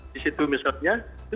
di situ misalnya